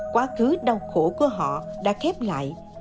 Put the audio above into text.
quá khứ đau khổ của họ đã khép lại